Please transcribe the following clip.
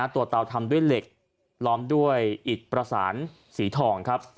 เตาทำด้วยเหล็กล้อมด้วยอิดประสานสีทองครับ